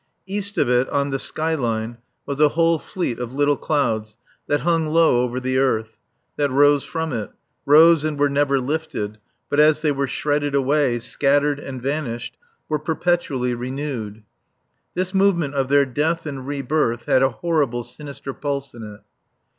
East of it, on the sky line, was a whole fleet of little clouds that hung low over the earth; that rose from it; rose and were never lifted, but as they were shredded away, scattered and vanished, were perpetually renewed. This movement of their death and re birth had a horrible sinister pulse in it.